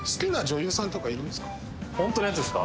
ホントのやつですか？